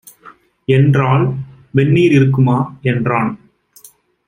என்றாள். "வெந்நீர் இருக்குமா" என்றான்.